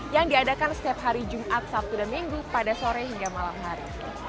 yang diadakan setiap hari jumat sabtu dan minggu pada sore hingga malam hari